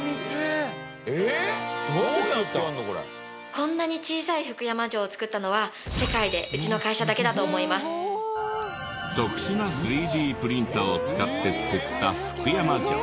こんなに小さい福山城を作ったのは特殊な３Ｄプリンターを使って作った福山城。